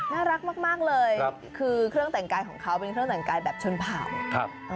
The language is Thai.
น่ารักมากเลยคือเครื่องแต่งกายของเขาเป็นเครื่องแต่งกายแบบชนเผ่า